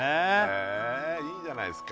へえいいじゃないですか